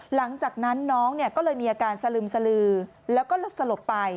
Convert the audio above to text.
หลังจากนั้นน้องก็เลยมีอาการสลึมสลือแล้วก็สลบไป